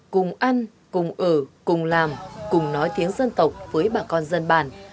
cùng ăn cùng ở cùng làm cùng nói tiếng dân tộc với bà con dân bản